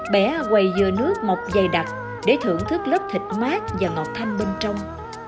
bé quầy dừa nước mọc dày đặc để thưởng thức lớp thịt mát và ngọt thanh bên trong